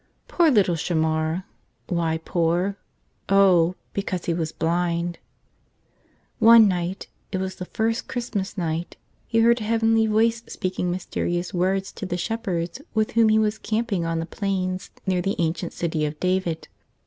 Poor little Shamar! Why poor? Oh, because he was blind. One night — it was the first Christmas night — he heard a heavenly voice speaking mysterious words to the shepherds with whom he was camping on the plains near the ancient city of David.